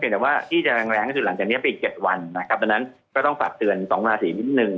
แต่ว่าที่จะแรงก็คือหลังจากนี้ไปอีก๗วันนะครับดังนั้นก็ต้องฝากเตือน๒ราศีนิดนึง